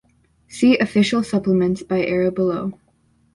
See Official Supplements by era below.